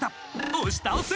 おしたおせ！